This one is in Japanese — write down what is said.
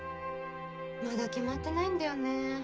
まだ決まってないんだよね。